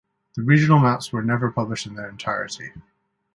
The regional maps were never published in their entirety.